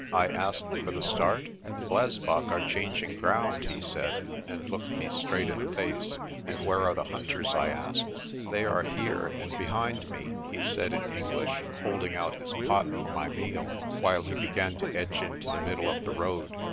I asked with a start. "The blesbok are changing ground," he said, and looked me straight in the face. "And where are the hunters?' 1 I asked. "They are here and behind me," he said in English, hold ing out his pot for my meal, while he began to edge into the middle of the road.